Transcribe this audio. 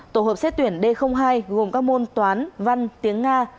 tổ hợp xét tuyển d hai gồm các môn toán văn tiếng nga